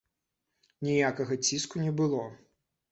Ніякага ціску не было.